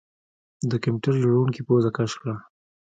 د کمپیوټر جوړونکي پوزه کش کړه